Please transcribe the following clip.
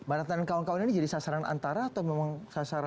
barat dan kawan kawan ini jadi sasaran antara atau memang sasaran